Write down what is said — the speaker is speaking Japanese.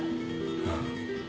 ああ。